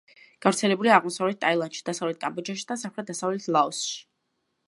გავრცელებულია აღმოსავლეთ ტაილანდში, დასავლეთ კამბოჯაში და სამხრეთ-დასავლეთ ლაოსში.